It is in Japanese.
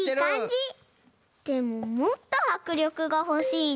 でももっとはくりょくがほしいな。